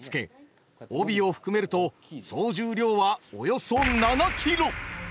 帯を含めると総重量はおよそ７キロ！